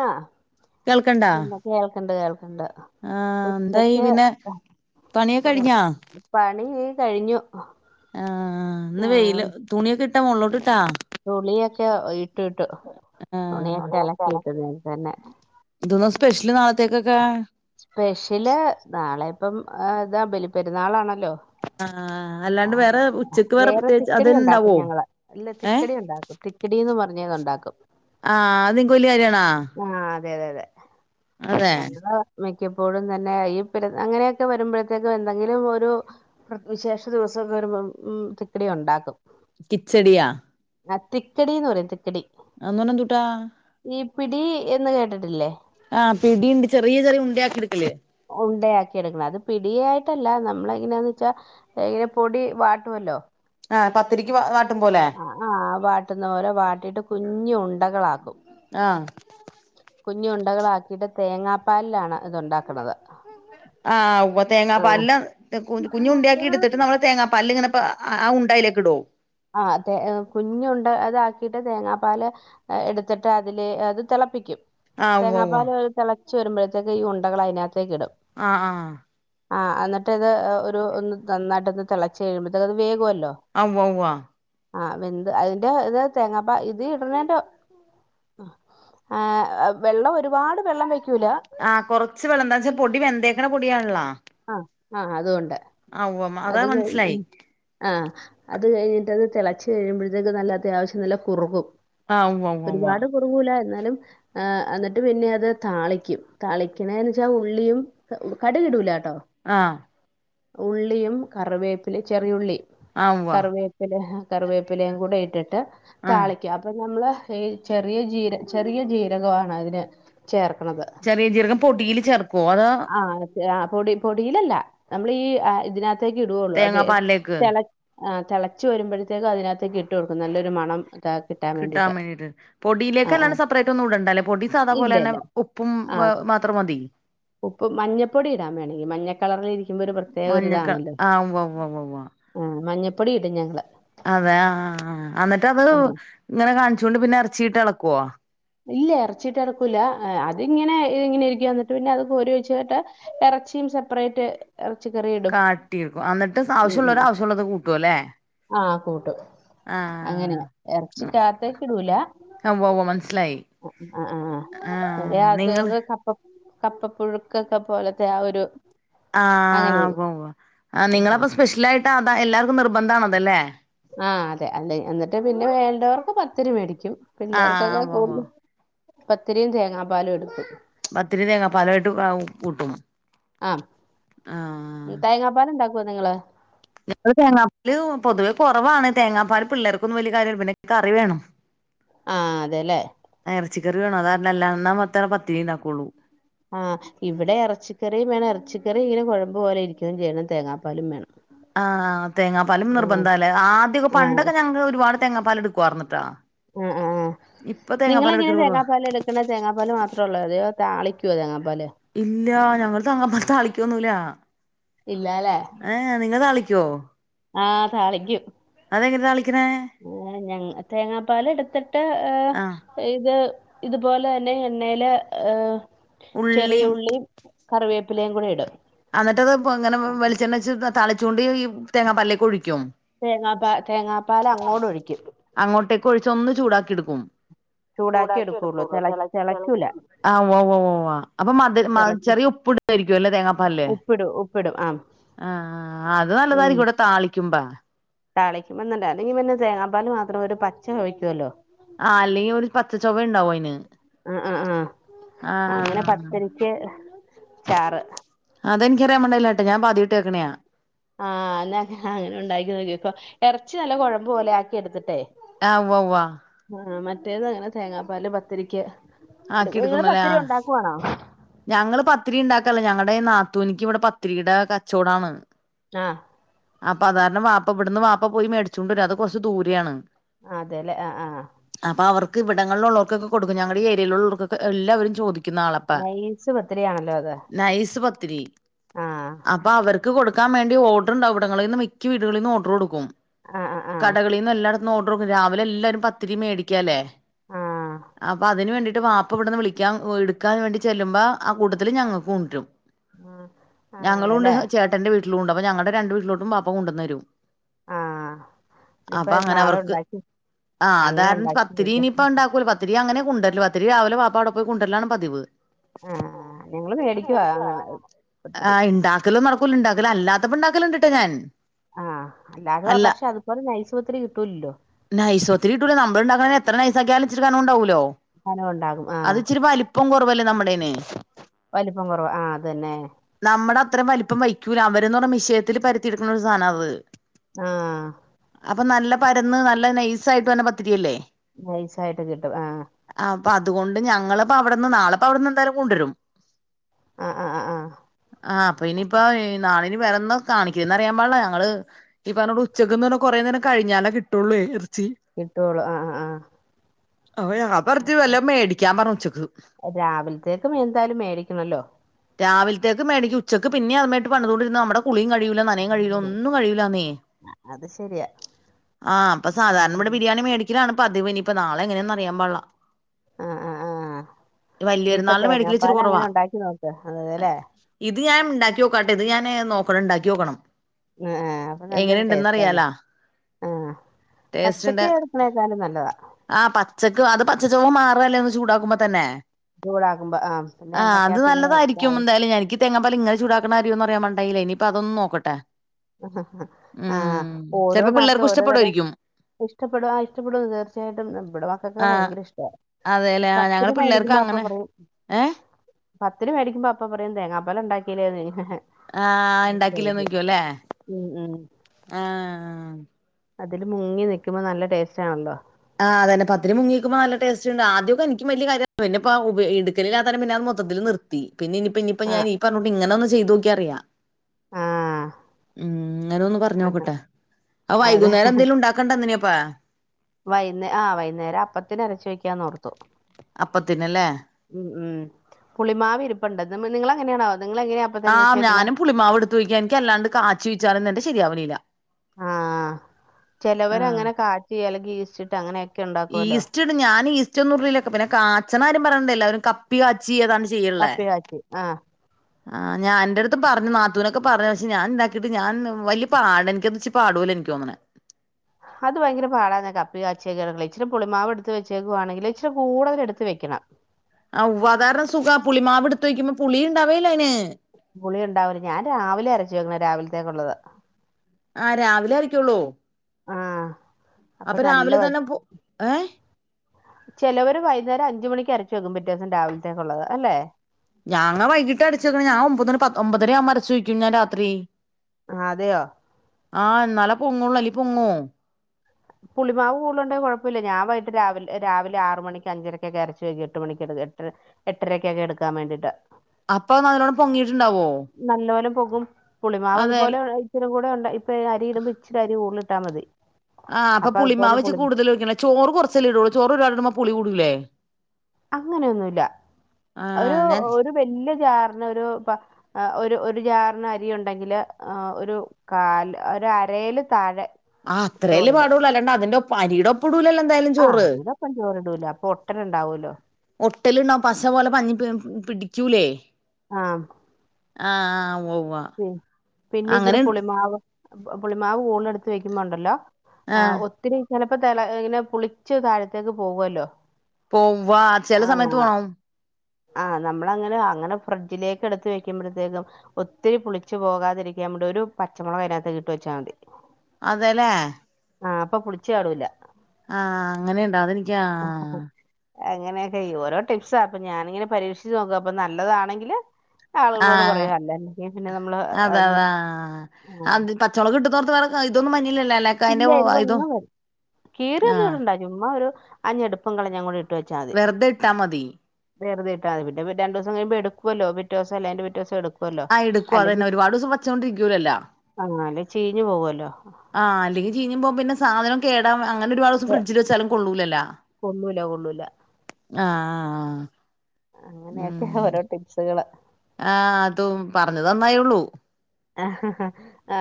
ആഹ് കേൾക്കണ്ടാ പി കേൾക്കണ്ട് കേൾക്കണ്ട് ആഹ് എന്തായി ഉച്ചക്ക് പിന്നെ പണിയൊക്കെ കഴീഞ്ഞോ പണി കഴിഞ്ഞു ആഹ് ഇന്ന് ആഹ് വെയില തുണിയൊക്കെ ഇട്ടാ മള്ളോട്ട് ഇട്ടാ തുണിയൊക്കെ ഇട്ടിട്ടു ആഹ് തുണിയൊക്കെ അലക്കിയിട്ട് നേരത്തെ തന്നെ ഇ ദൊന്നോ സ്പെഷല നാളത്തെേക്ക സ്പെഷ്യല് നാളെ ഇപ്പം ഇതാമ്പലി പെരുന്നാളാണല്ലോ ആഹ് ആ അല്ലാണ്ട് വേറെ ഉച്ചക്ക് വേറെ പ്രത്യേകിച്ച് തിക്കടിയ അതന്നെ ഉണ്ടാക്കും ഇണ്ടാവോ ഞങ്ങള് ഇല്ല ഏഹ് തിക്കടി ഉണ്ടാക്കും തിക്കടിയന്ന് പറഞ്ഞ അത്ണ്ടാക്കും ആഹ് അതെങ്ക വലിയ കാര്യണോ ആഹ് അതെ അതെ അതെ ഞങ്ങള് മിക്കപ്പോഴും തന്നെ ഈ അങ്ങനെയൊക്കെ വരുമ്പോഴത്തേക്കും എന്തെങ്കിലും ഒരു വിശേഷ ദിവസംക്കെ വരുമ്പോ ഇ തിക്കടി ഉണ്ടാക്കും കിച്ചടിയ ആഹ് തിക്കടീന്ന് പറയും തിക്കടി അങനെന്തൂട്ടാ ഈ പിടീ എന്ന് കേട്ടിട്ടില്ലേ ആഹ് പിടീണ്ട് ചെറിയ ചെറിയ ഉണ്ടയാക്കി എടുക്കിലേ ഉണ്ടയാക്കി എടുക്കണം അത് പിടിയായിട്ടല്ല നമ്മളെങ്ങനാന്ന് വെച്ചാൽ എങ്ങനെ പൊടി വാട്ടുവല്ലോ ആ പത്തിരിക്ക് വാ അ ആ വാട്ട്ന്ന പോല വാട്ടീട്ട് കുഞ്ഞു ഉണ്ടകളാക്കും ആഹ് കുഞ്ഞുണ്ടകളാക്കീട്ട് തേങ്ങാപ്പാലാണ് ഇതുണ്ടാക്കണത് ആഹ് ഉവ്വ ആ തേങ്ങാപാല്ലാണ് കുഞ്ഞുണ്ടയാക്കി എടുത്തിട്ട് നമ്മള് തങ്ങാ പാലിങ്ങനെ പ അ അ ഉണ്ട അയിലേക്കിടും ആ അതെ കുഞ്ഞുണ്ട അതാക്കീട്ട് തേങ്ങാപ്പാല് എടുത്തിട്ട് അതില് അത് തെളപ്പിക്കും ആഹ് ഉവ്വ ഉവ്വ തേങ്ങാപ്പാല് തെളച്ചു വെരുമ്പഴ്ത്തേക്ക് ഈ ഉണ്ടകള് അതിനാത്തേക്കിടും അ ആ ആഹ് എന്നിട്ട് ഇത് ഒരു ഒന്ന് നന്നായിട്ട് ഒന്ന് തെളച്ച കഴിയുമ്പഴ്ത്തേക്ക് അത് വേവൂല്ലോ ഔവോവ ആഹ് വെന്ത് അതിന്റെ ഇത് തേങ്ങാപ്പ ഇത് ഇടണേന്റ ആ വെള്ളം ഒരുപാട് വെള്ളം വെക്കൂല ആഹ് കൊറച്ച് വള്ളം എന്താന്ന് വെച്ചാ പൊടി വെന്തേക്കണ പൊടിയാണല്ല ആഹ് ആഹ് അതോണ്ട് അതാ അത് കഴിഞ്ഞ് മനസ്സിലായി ആ അത് കഴിഞ്ഞിട്ടന്ന് തെളച്ചു കഴിയുമ്പഴ്ത്തേക്ക് നല്ല അത്യാവശ്യം നല്ല കുറുകും ആഹ് ഉവ്വ ഉവ്വ ഉവ്വ ഒരുപാട് കുറുകൂല എന്നാലും ആ എന്നിട്ട് പിന്നെ അത് താളിക്കും താളിക്കണേന്ന് വെച്ചാ ഉള്ളിയും കടുകിടൂല ട്ടൊ ആഹ് ഉള്ളിയും കറുവേപ്പിലേം ചെറിയുള്ളി ആഹ് ഉവ്വ കറിവേപ്പ് കറിവേപ്പിലയും കൂടെ ഇട്ടിട്ട് ആഹ് താളി അപ്പൊ നമ്മള് ഈ ചെറിയ ജീര ചെറിയ ജീരകമാണ് അതിന് ചേർക്കണത് ചെറിയ ചീരകം പൊടിയിൽ ചേർക്കുവോ അതാ ആ ആ പൊടി പൊടിയിലല്ല നമ്മളീ ഈ ഇതിനാത്തേക്ക് ഇടൂള്ളൂ വെ തേങ്ങാപ്പാലിലേക്ക് തെള ആ തെളച്ചു വരുമ്പോഴ്ത്തേക്കും അതിനാത്തേക്ക് ഇട്ട് കൊടുക്കും നല്ലൊരു മണം ഇതാ കിട്ടാൻ കിട്ടാം വേണ്ടിയിട്ട് വേണ്ടീട്ട ആ ആ പൊടിയിലേക്കല്ലാണ്ട് സെപ്പറേറ്റ് ഒന്നും ഇടണ്ടാല്ലേ പൊടി സാതാ ഇല്ല പോലന്നെ ഇല്ല ഉപ്പും ആ മാ മാത്രം മതി ഉപ്പ് മഞ്ഞപ്പൊടി ഇടാൻ വേണങ്കി മഞ്ഞക്കളറിൽ ഇരിക്കുന്ന ഒരു മഞ്ഞക്ക പ്രത്യേകൊരിതാണല്ലോ ആഹ് ഉവ്വ ഉവ്വ ഉവ്വ ഉവ്വ ആഹ് മഞ്ഞപ്പൊടി ഇടും ഞങ്ങള് അതെ ആ എന്നിട്ട് അത് ഇങ്ങനെ കാണിച്ചോണ്ട് പിന്നെ എറച്ചിട്ട് ഇളക്കുവോ ഇല്ല എർച്ചിട്ട് എളക്കൂല്ല അതിങ്ങനെ ഇങ്ങനെ ഇരിക്കാ എന്നിട്ട് പിന്നെ അത് കോരി ഒഴിച്ചാ കേട്ട എർച്ചിയും സെപ്പറേറ്റ് എറച്ചി കറീം കാട്ടി വെക്കും എന്നിട്ട് ആവശ്യാള്ളോര് ആവശ്യാള്ളത് കൂട്ടുവല്ലേ ആഹ് കൂട്ടും ആഹ് അങ്ങനെയാ എറച്ചിക്കാത്തേക്കിടൂല ആഹ് ഉവ്വ ഉവ്വ മനസ്സിലായി ആഹ് ആഹ് ആഹ് ആഹ് നിങ്ങള് ഇതിനാത്തീന്ന് കപ്പ് പ്പ് കപ്പ പുഴുക്കൊക്കെ പോലത്തെ ആ ഒര് ആഹ് ഉവ്വ ഉവ്വ ആഹ് നിങ്ങളപ്പം സ്പെഷ്യലായിട്ട് അതാ എല്ലാർക്കും നിർബന്ധാണ് അതല്ലെ ആഹ് അതെ അല്ലെ എന്നിട്ട് പിന്നെ വേണ്ടവർക്ക് പത്തിരി മേടിക്കും ആഹ് പിള്ളേർക്കൊക്കെ ഉവ്വ് ഉവ്വ് കൂടുലും പത്തിരിയും തേങ്ങാ പാലും എടുക്കും പത്തിരി തേങ്ങാ പാലുമായിട്ട് കൂട്ടും. ആഹ് ആഹ് തേങ്ങാപ്പാല് ഉണ്ടാ നിങ്ങള് ഞങ്ങള് തേങ്ങാപ്പാല് പൊതുവേ കുറവാണ് തേങ്ങാപ്പാല് പിള്ളേർക്കൊന്നും വലിയ കാര്യമില്ല പിന്നെ കറി വേണം. ആഹ് അതേല്ലേ ഇറച്ചിക്കറി വേണം അത് കാരണം എല്ലാം പത്തിരി ഉണ്ടാക്കുള്ളൂ. ആഹ് ഇവിടെ ഇറച്ചിക്കറിയും വേണം ഇറച്ചിക്കറി ഇങ്ങനെ കുഴമ്പ് പോലെ ഇരിക്കയും ചെയ്യണം തേങ്ങാപ്പാലും വേണം. ആഹ് തേങ്ങാപ്പാലും ഉം നിർബന്ധാല്ലേ ആദ്യൊക്കെ ആഹ് പണ്ടൊക്കെ ഞങ്ങക്ക് ഒരുപാട് തേങ്ങാപ്പാല് എടുക്കുവാർന്നിട്ടാ. ആഹ് ആഹ് ഇപ്പൊ നിങ്ങള് തേങ്ങാപ്പാല് എങ്ങനെ എടുക്കല് കുറവാ തേങ്ങാപ്പാല് എടു ക തേങ്ങാപ്പാല് മാത്രമുള്ളോ അതോ താളിക്കുവോ തേങ്ങാപ്പാല്. ഇല്ല ഞങ്ങള് തേങ്ങാപ്പാല് താളിക്കൊന്നും ഇല്ല. ഇല്ലാല്ലേ ഏഹ് നിങ്ങള് താളി ളിക്കുവോ ആഹ് താളിക്കും അതെങ്ങനെയാ താളിക്കണെ. ഏഹ് ഞങ്ങള് തേങ്ങാപ്പാല് എടുത്തിട്ട് ഏഹ്. ആഹ് ഇത് ഇതുപോലെ തന്നെ എണ്ണയില് ഏഹ് ചെറിയ ഉള്ളിയും ഉള്ളി. കറിവേപ്പിലയും കൂടെ ഇടും. എന്നിട്ടത് ഇപ്പം ഇങ്ങനെ വെളിച്ചെണ്ണ വെച്ച് താളിച്ചൂണ്ടി ഈ. തേങ്ങാപ്പാലിലേക്ക് ഒഴിക്കും. തേങ്ങാപ്പാ തേങ്ങാപ്പാൽ അങ്ങോട്ട് ഒഴിക്കും അങ്ങോട്ടേക്ക് ഒഴിച്ച് ഒന്ന് ചൂടാക്കി എടുക്കും ചൂടാക്കി എടുക്കുള്ളൂ. ആഹ് ഉവ്വ ഉവ്വ ഉവ്വ അപ്പൊ മതി തിളക്കി ചെറിയ ഉപ്പിടായിരിക്കും. അല്ലേ തേങ്ങാ ഉപ്പിടും ഉപ്പിടും ആ ആഹ് അത് നല്ലതായിരിക്കും കൂടെ താളിക്കുമ്പം. താളിക്കുമ്പോ എന്നണ്ട് അല്ലെങ്കിൽ പിന്നെ തേങ്ങാപ്പാൽ മാത്രം ഒരു പച്ച ചുവക്കുവല്ലോ. ആഹ് അല്ലെങ്കിൽ ഒരു പച്ച ചൊവ ഉണ്ടാവും അതിന്. ആഹ് ആഹ് ആഹ് അങ്ങനെ പത്തിരിക്ക് ചാറ്. അതെനിക്കറിയാൻ വേണ്ടില്ലാട്ടാ ഞാനിപ്പം ആദ്യമായിട്ട് കേക്കണെയാ. ആഹ് ഇന്ന് അങ്ങനെ ഉണ്ടാക്കി നോക്കിയപ്പം ഇറച്ചി നല്ല കുഴമ്പ് പോലെ ആക്കി എടുത്തിട്ടേ. ആഹ് ഉവ്വ ഉവ്വ ആഹ് മറ്റേത് അങ്ങനെ തേങ്ങാപ്പാല് പത്തരിക്ക് ആക്കി നിങ്ങള് എടുക്കണല്ലേ പത്തരി ആഹ് ഉണ്ടാക്കുവാണോ. ഞങ്ങള് പത്തിരി ഉണ്ടാക്കല്ല. ഞങ്ങളുടെ നാത്തൂനിക്ക് ഇവിടെ പത്തിരിയുടെ കച്ചവടാണ്. ആഹ് അപ്പൊ അത് കാരണം വാപ്പ ഇവിടന്ന് വാപ്പ പോയി മേടിച്ചു കൊണ്ട് വരും അത് കുറച്ച് ദൂരയാണ്. അതേല്ലേ ആഹ് ആഹ്. അപ്പൊ അവർക്ക് ഇവിടങ്ങളിലുള്ളവർക്കൊക്കെ കൊടുക്കും ഞങ്ങളുടെ ഈ ഏരിയായിലുള്ളവർക്കൊക്കെ എല്ലാവരും ചോദി നാളെപ്പം നൈസ് പത്തിരിയാണല്ലോ അത് നൈസ് പത്തിരി. ആ അപ്പൊ അവർക്ക് കൊടുക്കാൻ വേണ്ടി ഓഡറുണ്ടാവും. ഇവിടങ്ങളിൽ നിന്ന് മിക്ക വീടുകളിൽ നിന്ന് ഓർഡർ കൊടുക്കും. ആ ആ ആ കടകളീന്ന് എല്ലായിടത്തും ഓർഡറ് കൊടുക്കും. രാവിലെ എല്ലാരും പത്തിരി മേടിക്കല്ലേ. ആ അപ്പൊ അതിന് വേണ്ടി വാപ്പ ഇവിടുന്ന് വിളിക്കാൻ എടുക്കാൻ വേണ്ടി ചെല്ലുമ്പം. ആ കൂട്ടത്തില് ഞങ്ങൾക്ക് കൊണ്ട് വരും. ആ ഞങ്ങളും ഉ ണ്ട് അതെല്ലേ ചേട്ടന്റെ വീട്ടിലും ഉണ്ട്. അപ്പൊ ഞങ്ങളുടെ രണ്ട് വീട്ടിലോട്ടും. വാപ്പ കൊണ്ടന്ന് തരും. ആ [inaudible] അപ്പ ഇനിയിപ്പ അങ്ങനെ നാളെ അവർക്ക് ഉണ്ടാക്കി ആ അങ്ങനെ താരണം ഉണ്ടാക്കി നോക്ക് പത്തിരിനിയിപ്പണ്ടാക്കൂല. പ ത്തിരി അങ്ങനെ കുണ്ടര്ല്. പത്തിരി രാവിലെ പാപ്പ അവ്ടെ പോയി കൊണ്ടരലാണ് പതിവ്. ആ ഞങ്ങള് മേടിക്കുവാ അങ്ങനെ [unintelligible] ആ പത്തിരി ഇണ്ടാ ക്കലും നടക്കൂലുണ്ടാക്കല. അല്ലാത്തപ്പോണ്ടാക്കല്ണ്ട് ട്ടോ ഞാൻ. ആ അല്ലാതെ അല്ല പക്ഷെ അതുപോലെ നൈസ്പത്തിരികിട്ടൂലല്ലോ. നൈസ്ത്തിരി ട്ടൂല്ല നമ്മളണ്ടാക്ക്ണ എത്ര നൈസാക്കിയാലും. ഇിചിരിക്കാനണ്ടാവോലോ? കനംഉണ്ടാകും. അത് ച്ചിരി വലിപ്പം കൊറവല്ലേ നമ്മടേനെ. വലിപ്പം കൊറവ് ആ അതന്നെ. നമ്മടെ അത്രയും വലിപ്പം വയ്ക്കൂല അവരന്ന് പറഞ്ഞാ മിഷിയത്തിൽ പരത്തിെയെടുക്ക്ണ ഒരു സാധനാ അത് ആഹ് അപ്പൊ നല്ല പരന്ന് നല്ല നൈസായിട്ട് വരുന്ന പത്തിരില്ലേ നൈസായിട്ട് കിട്ടും ആഹ് അപ്പ അതുകൊണ്ട് ഞങ്ങള്പ്പ അവ്ടെന്ന് നാളെപ്പൊ അവ്ട്ന്ന് എന്തായാലും കൊണ്ടരും അഹ് അഹ് ആ അപ്പൊ ഇനിപ്പോ ഏ നാളിനി വേറൊന്ന് കാണിക്കന്ന് അറിയാൻ പാടിയില്ല ഞങ്ങള്- ഈ പറഞ്ഞപോലെ ഉച്ചക്ക്ന്ന് പറഞ്ഞാ കൊറേ നേരം കഴിഞ്ഞാലേ കിട്ടവോളല്ലേ എറച്ചി കിട്ടൊള്ളൂ ആഹ് ആഹ് ഞാൻ പറഞ്ഞു വല്ലോം മേടിക്കാൻ പറഞ്ഞു ഉച്ചക്ക് രാവിലത്തേക്കും എന്തായാലും മേടിക്കണല്ലോ രാവില്ത്തേക്ക് മേടിക്ക് ഉച്ചക്ക് പിന്നേം അതുമേട്ട് പടിന്നോണ്ടിരുന്ന നമ്മടെ- കുളിം കഴൂല നനയും കഴിലാ ഒന്നും കഴൂലാന്നേ അത് ശരിയാ ആ അപ്പൊ സാധാരണ ഉം ഇവിടെ ബിരിയാണി മേടിക്കലാണ് പതിവ് ഇനി ഇപ്പൊ നാളെ എങ്ങനെയാന്ന് അറിയാൻ പാടില്ലാ അഹ് അഹ് ആഹ് വലിയ ഇനീപ്പൊ പെരുന്നാളിന് തേങ്ങാ മേടിക്കല് ഇച്ചിരി കുറവാ പാലങ്ങനെ ഇണ്ടാക്കി നോക്കുവാണേ അതേയില്ലേ ഇത് ഞാൻ ഇണ്ടാക്കി നോക്കണ്ട് ഇത് ഞാന് നോക്കണം ഇണ്ടാക്കി നോക്കണം എ ഏ അപ്പൊ എങ്ങനെ നല്ലൊരു ഉണ്ടെന്ന് ടേസ്റ്റ് ആണ് അറിയാലാ ഏ അ പച്ചക്ക് അരക്ക്ണേക്കാലും നല്ലതാ ആ പച്ചക്ക് അത് പച്ചചൊവ മാറല്ലേ ഒന്ന് ചൂടാക്കുമ്പോ തന്നെ ചൂടാക്കുമ്പോ ആ പിന്നെ ആഹ് അത് എണ്ണക്കകത്ത് ഇങ്ങനെ നല്ലതായിരിക്കും ഇതായി. എന്തായാലും എനിക്കി - തേങ്ങാപാല് ഇങ്ങെന ചൂടാക്കണ കാര്യംഒന്നും അരിയാൻ പാടില്ല ഇനിപ്പോ അതൊന്ന് നോക്കട്ടെ ആ ഉം ഓരോ ചെലപ്പോ നാട്ടിലും പിള്ളേർക്കും ഓരോ തരം- ഇഷ്ടപ്പെടുവായിരിക്കും ഇഷ്ടപ്പെടോ ആ ഇഷ്ടപ്പെടുംഅത് തീർച്ചയായിട്ടും ഇവിടെ മക്കക്കാ ആഹ് ഭയങ്കരിഷ്ടാ അതെല്ലേ ആഹ് ഞങ്ങള് പത്തിരി പിള്ളേർക്ക് മേടിക്കുമ്പോ അപ്പൊ അങ്ങനെ പറയും- ഏഹ് പത്തിരിമേടിക്കുമ്പോ അപ്പൻ പറയും തേങ്ങാപ്പല് ഇണ്ടാക്കീല്ലേ ആഹ് ഇണ്ടാക്കില്ലേന്ന് ചോദിക്കുംയില്ലേ [unintelligible] ആഹ് അതില് മുങ്ങി നിക്കുമ്പോ നല്ല ടേസ്റ്റാണല്ലോ ആ തന്നെ പത്തിരി മുങ്ങി നിക്കുമ്പോ നല്ല ടേസ്റ്റ്ണ്ട് ആദ്യക്കെ എനിക് വലിയ കാര്യയായിരുന്നു പിന്നെപ്പൊ എടുക്കലിലാതെ പിന്നെ മൊത്തിത്തില് നിർത്തി പിന്നെ ഇനിയിപ്പ ഇനിയിപ്പ ആ ഞാൻ ഈ പറഞ്ഞ കൂട്ട് ഇങ്ങനൊന്ന് ചെയ്ത് നോക്കിയാൽ അറിയാം ആ അന്നേരം ഒന്ന് പറഞ് നോക്കട്ടെ ആ അത് വൈകുന്നേരം എന്തേങ്കിലും ഉണ്ടാക്ക്- കണ്ടന്നനിയപ്പാ വൈകുന്നേരം ആ വൈകുന്നേരം അപ്പത്തിന് അരച്ച് വെക്കാമെന്ന് ഓർത്തു അപ്പത്തിന്നില്ലേ ഉം പുളിമാവ് ഇരിപ്പോണ്ട് നിങ്ങളെങ്ങനെണാവോ നിങ്ങള് എങ്ങനെ അപ്പ - ആഹ് ഞാനും പുളിമാവ് എടുത്തു വയ്ക്കും എ നിക്ക് അല്ലാണ്ട് കാച്ചി വച്ചാലും എന്റെ ശരിയാവ്നില്ല ആഹ് ചെലവര് ഇങ്ങനെ കാച്ചി അല്ലെങ്കി ഈസ്റ്റ് ഇട്ട് അങ്ങനെയൊക്കെ ഇണ്ടാക്കൊല്ലോ ഈസ്റ്റ് ഞാൻ ഈസ്റ്റ് ഒന്നും ഇടൂല പിന്നെ കാച്ചണ കാര്യം പറയണല്ലൊ എല്ലാരും കപ്പി കാച്ചിഏതാണ്ട് ചെയ്യ്ണില്ലേ ആഹ് ആഹ് എന്റെ അടുത്തും പറഞ്ഞു നാത്തൂനൊക്കെ പറഞ്ഞു പക്ഷെ ഞാൻ ഇണ്ടാക്കിട്ട് ഞാൻ വല്ലിയ പാട് എനിക്ക്ത് ഇച്ചി പാട് പോലെയാ നിക്ക് തോന്നണെ അത് ഭയങ്കര പാടന്നെ കപ്പികാച്ചല് ഇച്ചരി പുളിമാവ് എടുത്തു വെച്ചേക്കുവാണെങ്കിൽ ഇച്ചരി കൂടുതല് എടുത്ത് വെക്കണം ആ ഉവ്വാ അത് കാരണം സുഖാ പുളി മാവ് എടുത്തു വയ്ക്കുമ്പോൾ പുളി ഇണ്ടാവേല്ലോ അയിന് പുളി ഉണ്ടാവില്ല ഞാൻ രാവിലെ അരച്ചു വെക്കണെ രാവിലത്തേക്കുള്ളത് ആഹ് രാവിലെ അരക്കുള്ളൂ ആഹ് അപ്പൊ നല്ല രാവിലെ തന്നെ പു ഏഹ് [unintelligible] ചെലവര് വൈുന്നേരം അഞ്ച് മണിക്ക് അരച്ച് വെക്കും പിറ്റേന്ന് രാവിലത്തേക്കുള്ളത് അല്ലെ ഞങ്ങള് വൈകിട്ട് അരച്ച് ഞാൻ ഒമ്പത് ഒമ്പതരയാകൻ അരച്ച് വെക്കും ഞാൻ രാത്രി ആഹ് അതെയോ ആഹ് എന്നാലെ പൊങ്ങൂള്ളല്ലോ അലി പൊങ്ങുവോ പുളിമാവ് കൂടുലുന്നുണ്ട കൊഴപ്പമില്ല ഞാൻ വൈകിട്ട് രാവില രാവിലെ ആറ് മണി അഞ്ചരക്കൊക്കെ അയരച്ച് വെച്ചിട്ട് എട്ട് മണിക്ക എ എട്ട- എട്ടരയ്ക്കൊക്കെ എടുക്കാൻ വേണ്ടീട്ട് അപ്പൊ നല്ലോണം പൊങ്ങിയിട്ടുണ്ടാവോ നല്ല പോലെ പെകും പുളിമാവ് അതേലെ ഇതുപോലെ ഇച്ചിരിം കൂടെ ഉണ്ട ഇപേ അരിയിടുബം ഇച്ചിരി അരി കൂടുതൽ ഇട്ടാൽ മതി ആഹ് അപ്പ അപ്പൊ പുളിമാവ് അതുപോലെ വെച്ച് പുളി കൂടുതൽ വെക്ക ചോറ് കുറച്ചല്ല ഇടള്ളൂ ചേറ് ഒരു പാട് ഇട്ടുബോ പുളി കൂടൂലേ അങ്ങനെയൊന്നുമല്ല ഒരു ആഹ് ഞാൻ ഒരു വലിയ ജാറിനെ ഒരു പ ആ ഒരു ഒരു ജാറിന് അരി ഉണ്ടെങ്കില് ആ ഒരു കാല് ഒരു അരയില് താഴെ ആ അത്രേൽ ചോറിടും പാടു വെള്ള അല്ലാണ്ട് അതിന്റെ ഒപ്പ അരിയുടെ ഒപ്പം ഇടൂലല്ലോ എന്തായാലും ആ ചോറ് അരിയുടെ ഒപ്പം ചോറിടൂല അപ്പൊ ഒട്ടനുണ്ടാവുമല്ലോ ഒട്ടല് ഉണ്ടാവും പസ പോലെ പഞ്ഞി പിടിക്കൂലേ ആഹ് ആഹ് ആഹ് ഉവ്വ ഉവ്വ പിന്നെ ഇച്ചിരി അങ്ങനെ പുളിമാവ് പുളിമാവ് പൂണ് എടുത്ത് വെക്കുമ്പോ ഉണ്ടല്ലോ ആ ആഹ് ഒത്തിരി ചിലപ്പോ തല ഇങ്ങനെ പുളിച്ച് താഴത്തേക്ക് പോകുവല്ലോ പോവ്വാ ചില സമയത്ത് ആഹ് പോണം ആഹ് നമ്മള് അങ്ങനെ അങ്ങനെ ഫ്രിഡ്ജിലേക്ക് എടുത്ത് വെക്കുമ്പോഴത്തേക്കും ഒത്തിരി പുളിച്ച് പോകാതിരിക്കാൻ നടെ ഒരു പച്ചമുളക് അതിനകത്ത് ഇട്ട് വെച്ചാൽ മതി അതെല്ലേ ആഹ് അപ്പൊ പുളിച്ചാടൂല ആഹ് അങ്ങനെ ഉണ്ടാവ അതെനിക്ക ആഹ് അങ്ങനെയൊക്കെ ഓരോ ടിപ്സാ അപ്പൊ ഞാനിങ്ങനെ പരീക്ഷിച്ച് നോക്കു അപ്പൊ നല്ലതാണെങ്കില് ആളുകളോട് ആഹ് പറയും അല്ല പിന്നെ നമ്മള് അത് ആഹ് ചൊള കിട്ടുന്നോർ വേ ഇതന്നും വന്നില്ലല്ല അല്ലേ ഇല്ലാ എരിവെനുംവരില്ല കീറി ഒന്നും ആഹ് ഇടെണ്ടാ ചുമ്മ ഒരു ആ ഞെടുപ്പും കളഞ് കൂടി ഇട്ട് വെച്ചാൽ മതി വെറുതെ ഇട്ടാ മതി വെറുതെ ഇട്ട മതി പിന്നെ രണ്ട് ദിവം കഴുമ്പോ എടുക്കുവല്ലോ പിറ്റേ ദിവസം. അല്ല അയിന്റെ. പിറ്റേ. ദിവസം എടു ആഹ് എടുക്കും അതെന്നെ ഒരുപാട് ദിവസം വച്ചൊണ്ടിരിക്കുവൂലല്ലോ ആഹ് അല്ലേ ചീഞ്ഞു പോവല്ലോ ആ അല്ലെങ്കിൽ ചീഞ് പേമ്പോ പിന്നെ സാധനം കേടാക്കും അങ്ങന ഒരുപാട് ദിവസം ഫ്രഡ്ജിൽ വച്ചാല് കൊള്ളു ലല്ലോ കൊള്ളൂല കൊള്ളൂല ആഹ് ആഹ് ആഹ് അങ്ങനെയൊക്കെ ഓരോ ടിപ്സുകള് ആഹ് അതും പറഞ്ഞത് നന്നായെള്ളൂ ആ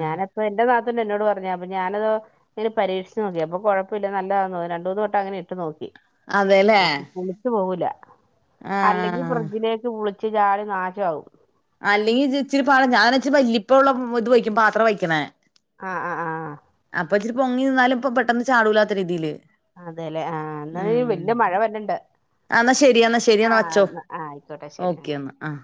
ഞാന് അപ്പം എന്റെ നാത്തൂൻ എന്നോട് പറഞ്ഞു അപ്പൊ ഞാന് അതോ ഇങ്ങെനെ പരീക്ഷിച്ചു നോക്കി അപ്പം കൊഴപ്പില്ല നല്ലതാ തോനി രണ്ട മൂന്ന് വട്ടം അങ്ങനെ ഇട്ട് നോക്കി അതെല്ലേ അപ്പം പുളിച്ചു പോവുല അല്ലെങ്കിൽ ആഹ് ഫ്രിഡ്ജിലേക്ക് പുളി ച്ച് ചാടി നാശമാവും അല്ലെങ്കിൽ ഇച്ചിരി ഞാൻ വല്പ്പ ഉള്ള പത്രം ഇത് വയ്ക്കും പാത്രം വയ്ക്കണേ ആഹ് ആഹ് ആഹ് ആഹ് അപ്പൊ ഇിചിരി പൊങ്ങി നിന്നാലും ഇപ്പൊ പെട്ടെന്ന് ചാടൂല്ലാത്ത രീതിയില് അതെല്ലെ ആഹ് ആഹ് എന്ന ഉം വല്യ മഴ വരുന്നുണ്ട് എന്നാ ശരി എന്നാ ശരി എന്നാ വെച്ചോ ആയിക്കോട്ടെ ശരി ഓക്കെ എന്നാ ആഹ്